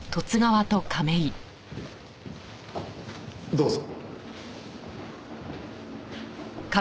どうぞ。